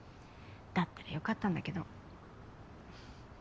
だったら良かったんだけど。